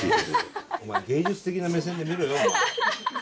お前芸術的な目線で見ろよお前。